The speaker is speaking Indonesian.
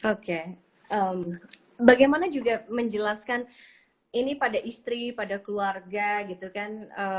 oke bagaimana juga menjelaskan ini pada istri pada keluarga gitu kan